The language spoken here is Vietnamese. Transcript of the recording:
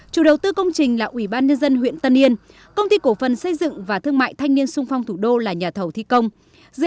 chủ đầu tư công trình là ủy ban nhân dân huyện tân yên công ty cổ phần xây dựng và thương mại thanh niên sung phong thủ đô là nhà thầu thi công